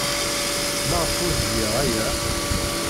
Maɣef ur tgid aya?